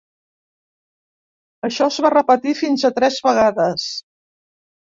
Això es va repetir fins a tres vegades.